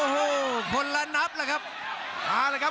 โอ้โหพลละนับนะครับ